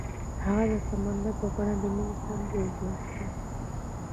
هغه د سمندر په بڼه د مینې سمبول جوړ کړ.